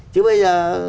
chứ bây giờ